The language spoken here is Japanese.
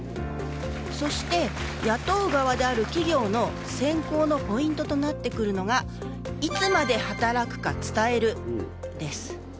そして、雇う側である企業の選考のポイントとなってくるのがいつまで働くか伝える、です。